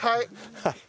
はい！